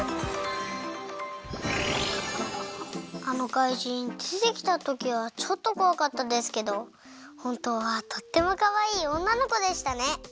あの怪人でてきたときはちょっとこわかったですけどほんとうはとってもかわいいおんなのこでしたね。